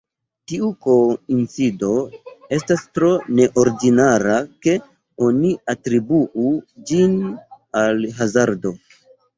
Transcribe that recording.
Tiu koincido estas tro neordinara, ke oni atribuu ĝin al hazardo.